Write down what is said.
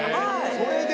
それで？